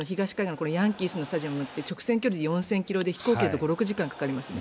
これはヤンキースのスタジアム直線距離で４０００ｋｍで飛行機だと５６時間かかりますよね。